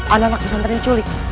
ada anak pesantren diculik